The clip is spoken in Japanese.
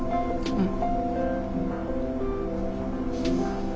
うん？